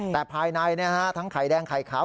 แต่ภายในทั้งไข่แดงไข่ขาว